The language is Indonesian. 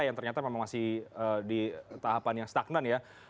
yang ternyata memang masih di tahapan yang stagnan ya